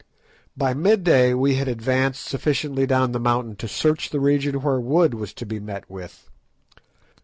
By midday we had advanced sufficiently down the mountain to search the region where wood was to be met with.